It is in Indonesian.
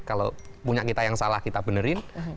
kalau punya kita yang salah kita benerin